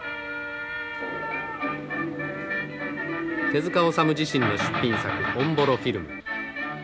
手塚治虫自身の出品作「おんぼろフィルム」。